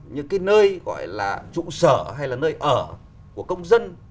những cái nơi gọi là trụ sở hay là nơi ở của công dân